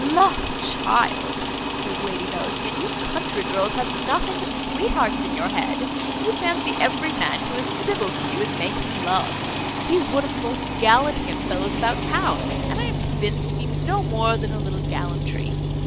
"La! child," says Lady Bellaston, "you country girls have nothing but sweethearts in your head; you fancy every man who is civil to you is making love. He is one of the most gallant young fellows about town, and I am convinced means no more than a little gallantry.